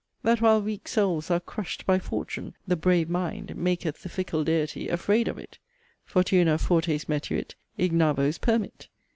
That while weak souls are 'crushed by fortune,' the 'brave mind' maketh the fickle deity afraid of it: 'Fortuna fortes metuit, ignavos permit.'